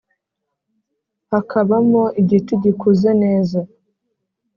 hakaba mo igiti gikuze neza,